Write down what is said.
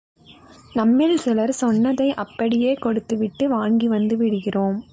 நம்மில் சிலர் சொன்னதை அப்படியே கொடுத்துவிட்டு வாங்கி வந்து விடுகிறோம்.